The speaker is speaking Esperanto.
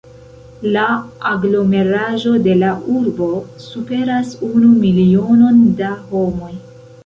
La aglomeraĵo de la urbo superas unu milionon da homoj.